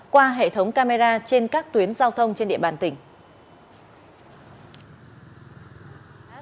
qua hệ thống camera trên các tuyến giao thông trên địa bàn tỉnh